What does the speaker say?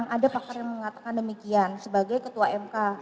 ada pakar yang mengatakan demikian sebagai ketua mk